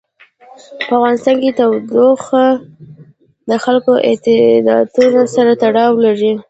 په افغانستان کې تودوخه د خلکو د اعتقاداتو سره تړاو لري.